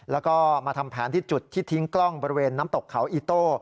แล้วก็มาทำแผนที่จุดที่ทิ้งกล้องบริเวณน้ำตกเขาอีโต้